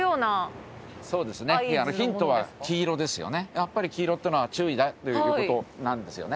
笋辰僂黄色というのは注意だという事なんですよね。